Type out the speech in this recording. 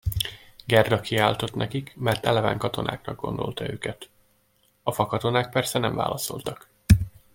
Gerda kiáltott nekik, mert eleven katonáknak gondolta őket; a fakatonák persze nem válaszoltak.